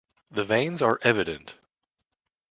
The veins are evident.